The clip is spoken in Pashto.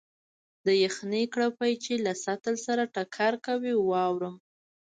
د یخې کړپی چې له سطل سره ټکر کوي، واورم.